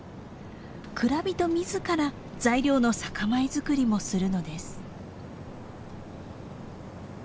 蔵人自ら材料の酒米作りもするのです。